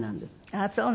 あっそうなの。